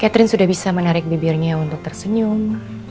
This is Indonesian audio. catherine sudah bisa menarik bibirnya untuk tersenyum